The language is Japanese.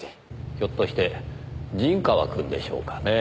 ひょっとして陣川くんでしょうかねぇ。